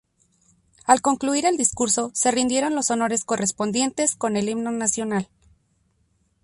Al concluir el discurso se rindieron los honores correspondientes con el Himno Nacional.